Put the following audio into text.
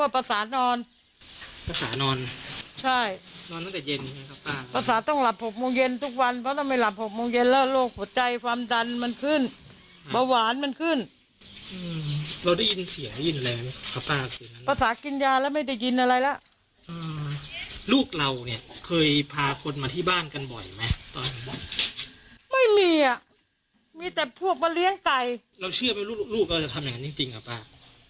อาจจะเป็นตำรวจหรือเปล่าเนี่ยแม่บอกลูกชายไม่ได้เป็นตำรวจหรือเปล่าเนี่ยแม่บอกลูกชายไม่ได้เป็นตำรวจหรือเป็นตำรวจหรือเป็นตำรวจหรือเป็นตำรวจหรือเป็นตำรวจหรือเป็นตำรวจหรือเป็นตำรวจหรือเป็นตำรวจหรือเป็นตำรวจหรือเป็นตำรวจหรือเป็นตำรวจหรือเป็นตำรวจหรือเป็นตำ